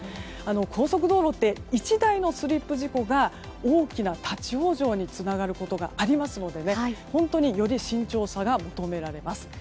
高速道路って１台のスリップ事故が大きな立ち往生につながることがありますので本当により慎重さが求められます。